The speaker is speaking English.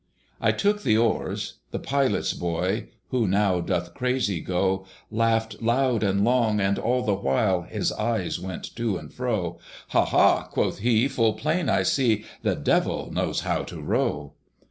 I took the oars: the Pilot's boy, Who now doth crazy go, Laughed loud and long, and all the while His eyes went to and fro. "Ha! ha!" quoth he, "full plain I see, The Devil knows how to row."